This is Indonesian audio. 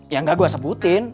ya enggak gue sebutin